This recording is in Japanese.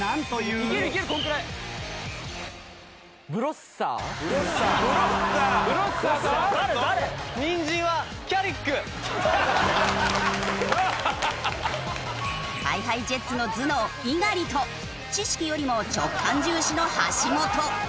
人参は。ＨｉＨｉＪｅｔｓの頭脳猪狩と知識よりも直感重視の橋本。